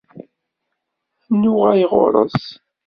Ad d-nuɣal ɣur-s.